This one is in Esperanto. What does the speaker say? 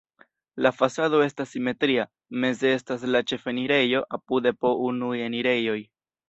La fasado estas simetria, meze estas la ĉefenirejo, apude po unuj enirejoj.